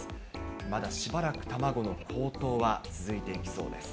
まだしばらく卵の高騰は続いていきそうです。